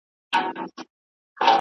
ښوونځی ته ولاړ سه!